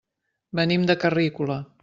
Venim de Carrícola.